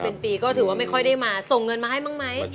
เป็นปีก็ถือว่าไม่ค่อยได้มาส่งเงินมาให้บ้างไหม